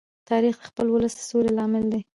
تاریخ د خپل ولس د سولې لامل دی.